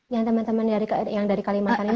yang teman teman yang dari kalimantan ini